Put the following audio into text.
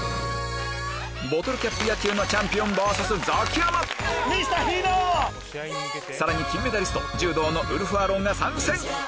ボトルキャップ野球のチャンピオンｖｓザキヤマさらに金メダリスト柔道のウルフアロンが参戦！